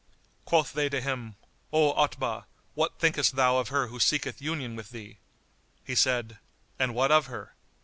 Quoth they to him, "O Otbah, what thinkest thou of her who seeketh union with thee?" He said, "And what of her?"